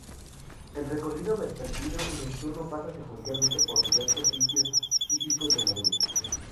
El recorrido vespertino y nocturno pasa secuencialmente por diversos sitios típicos de Madrid.